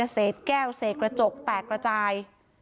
เศษแก้วเศษกระจกแตกกระจาย